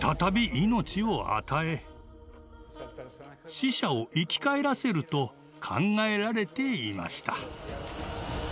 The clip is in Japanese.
死者を生き返らせると考えられていました。